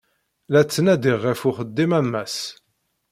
La ttnadiɣ ɣef uxeddim a Mass.